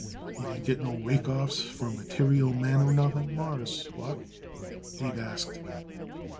"He didn't get no rake offs from material men or nothing, Mawruss. What?" Abe asked.